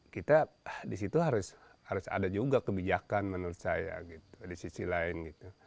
kita di situ harus ada juga kebijakan menurut saya gitu di sisi lain gitu